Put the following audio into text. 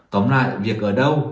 tóm lại việc ở đâu